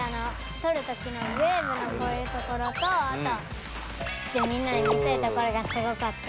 とるときのウェーブのこういうところとあとシーッてみんなに見せるところがすごかった。